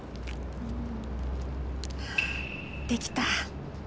できた。